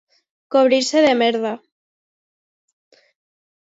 Cobrir-se de merda.